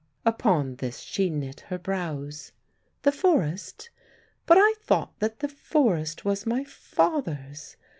Upon this she knit her brows. "The forest? But I thought that the forest was my father's?